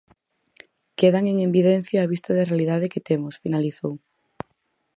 "Quedan en evidencia vista a realidade que temos", finalizou.